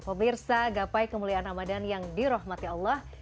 pemirsa gapai kemuliaan ramadan yang dirahmati allah